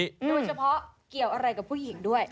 โดยเฉพาะเกี่ยวอะไรกับผู้หญิงด้วย